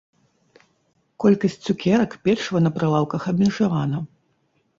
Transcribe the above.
Колькасць цукерак, печыва на прылаўках абмежавана.